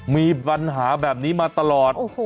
มีปัญหาแบบนี้มาตลอด